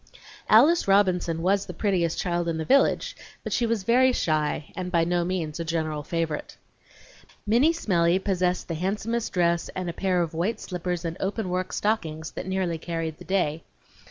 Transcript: Alice Robinson was the prettiest child in the village, but she was very shy and by no means a general favorite. Minnie Smellie possessed the handsomest dress and a pair of white slippers and open work stockings that nearly carried the day.